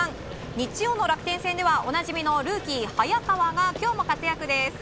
日曜の楽天戦ではおなじみのルーキー早川が今日も活躍です。